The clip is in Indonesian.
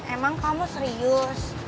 emang kamu serius